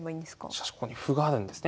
しかしここに歩があるんですね。